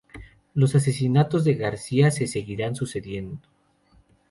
Los asesinatos de García se seguirían sucediendo.